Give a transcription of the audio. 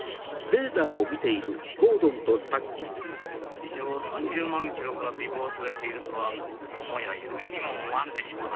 地上３０万ｋｍから尾行されているとはよもや夢にも思わんでしょうな。